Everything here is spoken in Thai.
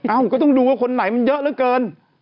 ก็ต้องดูว่าคนไหนมันเยอะเหลือเกิน